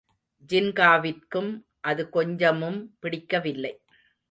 ஜின்காவிற்கும் அது கொஞ்சமும் பிடிக்கவில்லை.